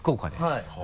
はい。